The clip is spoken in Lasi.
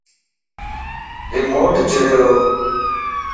ريموٽ جريوَ